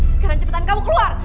sekarang cepetan kamu keluar